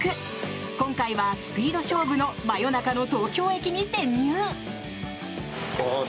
今回は、スピード勝負の真夜中の東京駅に潜入！